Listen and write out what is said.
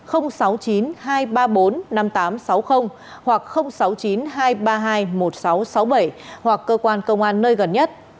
hoặc sáu mươi chín hai trăm ba mươi hai một nghìn sáu trăm sáu mươi bảy hoặc cơ quan công an nơi gần nhất